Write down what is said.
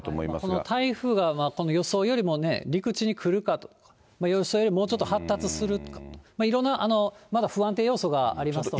この台風がこの予想よりもね、陸地に来るか、予想よりもうちょっと発達するか、いろんなまだ不安定要素がありますので。